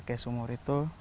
warga pakai sumur itu